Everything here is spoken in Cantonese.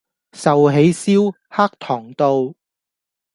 壽喜燒-黑糖道